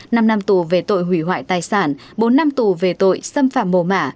năm năm tù về tội hủy hoại tài sản bốn năm tù về tội xâm phạm mồ mả